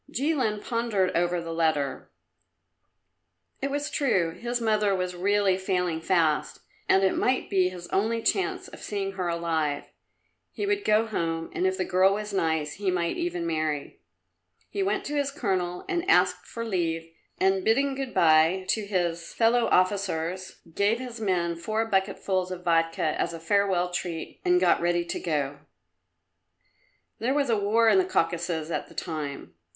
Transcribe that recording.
Jilin pondered over the letter. It was true; his mother was really failing fast, and it might be his only chance of seeing her alive. He would go home, and if the girl was nice, he might even marry. He went to his colonel and asked for leave, and bidding good bye to his [Illustration: A PRISONER. To face page 82.] fellow officers, gave his men four bucketfuls of vodka as a farewell treat, and got ready to go. There was a war in the Caucasus at the time.